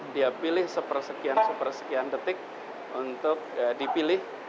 dia pilih sepersekian sepersekian detik untuk dipilih